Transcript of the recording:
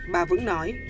bà vững nói